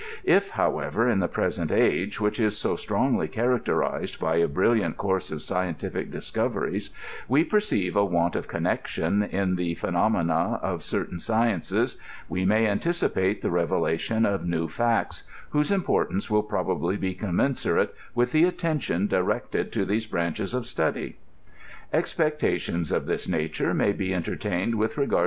If, however, in the present age, which is so strongly characterized by a brilliant course of scientific discoveries, we perceive a want of connec tion in the phenomena of certain sciences, we may anticipate the revelation of new facts, whose importance will probably be commensurate with the attention directed to these branches of study. Expectations of this nature may be entertained with regard.